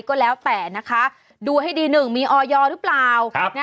ก็แล้วแต่นะคะดูให้ดี๑มีออยหรือเปล่า